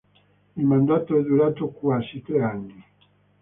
Il mandato è durato quasi tre anni.